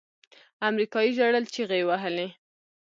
امريکايي ژړل چيغې يې وهلې.